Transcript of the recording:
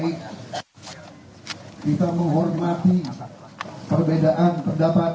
kita menghormati perbedaan pendapat